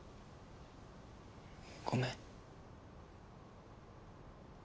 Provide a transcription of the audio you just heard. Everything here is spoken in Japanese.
ごめん。